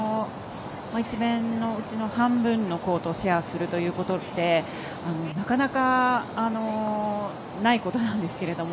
１面のうちの半分のコートをシェアするということでなかなかないことなんですけれども。